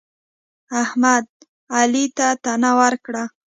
احمد؛ علي ته تن ورکړ.